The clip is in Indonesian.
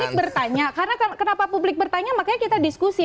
publik bertanya karena kenapa publik bertanya makanya kita diskusi